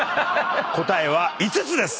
答えは５つです。